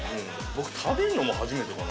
◆僕、食べるのも初めてかな。